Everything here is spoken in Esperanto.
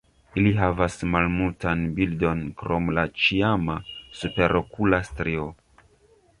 Ili havas malmultan bildon krom la ĉiama superokula strio.